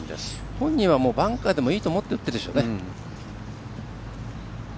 本人はバンカーでもいいと思って打ってるでしょうね。